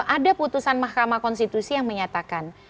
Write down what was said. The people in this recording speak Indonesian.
ada putusan mahkamah konstitusi yang menyatakan